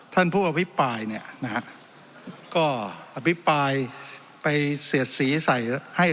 มีอยู่เทศบาลแล้วว่ามันชลาดทำให้ติดดาม